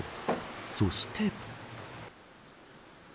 そして。